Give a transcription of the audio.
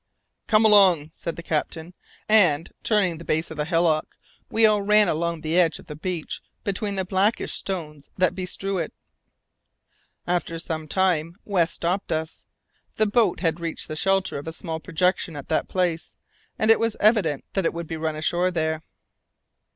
"Come along!" said the captain, and, turning the base of the hillock, we all ran along the edge of the beach between the blackish stones that bestrewed it. After some time, West stopped us. The boat had reached the shelter of a small projection at that place, and it was evident that it would be run ashore there.